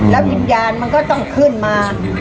แล้ววิญญาณมันก็ต้องขึ้นมา